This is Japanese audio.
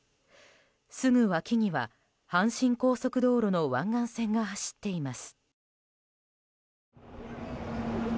すぐ脇には阪神高速道路の湾岸線が走っています。